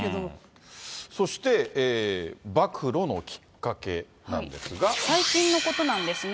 そして、暴露のきっかけなん最近のことなんですね。